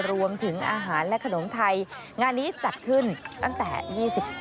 รวมถึงอาหารและขนมไทย